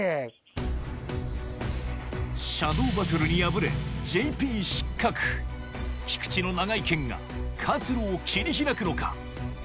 シャドウバトルに敗れＪＰ失格菊池の長い剣が活路を切り開くのか？